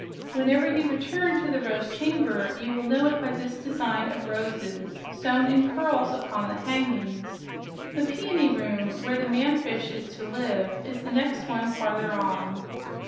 Whenever you return to the Rose Chamber, you will know it by this design of roses sewn in pearls upon the hangings. The Peony Room where the man fish is to live is the next one farther on."